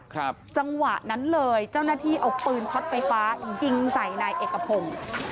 จังหวะนั้นเลยเจ้าหน้าที่เอาปืนช็อตไฟฟ้ายิงใส่นายเอกพงศ์